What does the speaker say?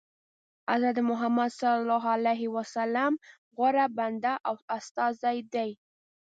حضرت محمد صلی الله علیه وسلم غوره بنده او استازی دی.